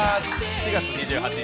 ４月２８日